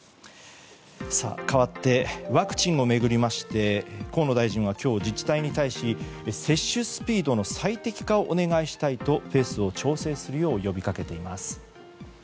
かわって、ワクチンを巡りまして河野大臣は今日、自治体に対し接種スピードの最適化をお願いしたいとペースを調整するよう呼びかけています。